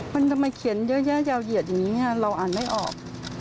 มันทำไมเขียนเยอะแยะยาวเหยียดอย่างนี้เราอ่านไม่ออก